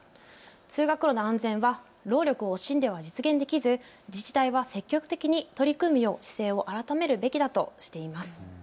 通学路の安全は労力を惜しんでは実現できず自治体は積極的に取り組むよう姿勢を改めるべきだとしています。